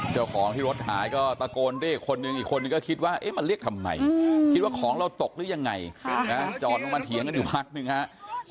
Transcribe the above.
เจ้าของที่รถหายก็ตะโกนเรียกอีกคนนึงอีกคนนึงก็คิดว่าเอ๊ะมาเรียกทำไมคิดว่าของเราตกหรือยังไงจอดลงมาเถียงกันอยู่พักหนึ่งฮะ